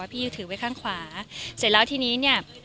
พี่ถือไว้ข้างขวาเสร็จแล้วทีนี้เนี่ย